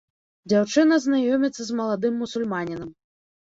Дзяўчына знаёміцца з маладым мусульманінам.